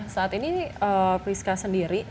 saat ini priska sendiri